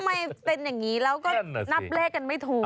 มันเป็นอย่างนี้แล้วก็นับเลขกันไม่ถูก